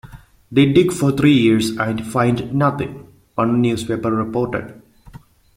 "They dig for three years and find nothing," one newspaper reported.